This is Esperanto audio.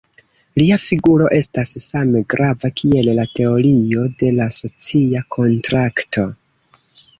Lia figuro estas same grava kiel la teorio de la socia kontrakto.